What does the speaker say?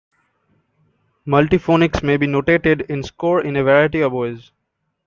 Multiphonics may be notated in score in a variety of ways.